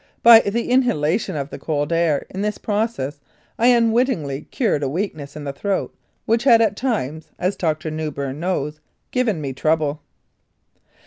By the inhalation of the cold air in this process I unwit tingly cured a weakness in the throat which had at times (as Dr. Mewburn knows) given me trouble.